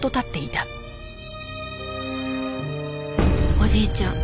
おじいちゃん